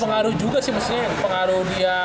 pengaruh juga sih mestinya pengaruh dia